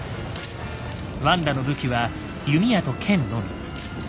ワンダの武器は弓矢と剣のみ。